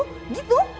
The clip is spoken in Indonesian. kamu tenang ya